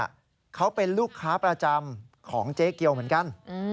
เขาเป็นลูกค้าประจำของเจ๊เกียวเหมือนกัน